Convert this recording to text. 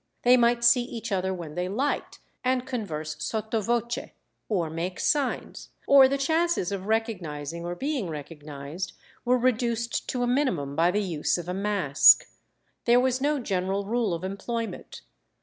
They might see each other when they liked, and converse sotto voce, or make signs; or the chances of recognizing or being recognized were reduced to a minimum by the use of a mask. There was no general rule of employment.